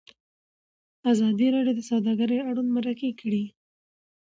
ازادي راډیو د سوداګري اړوند مرکې کړي.